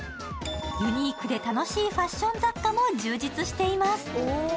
ユニークで楽しいファッション雑貨も充実しています。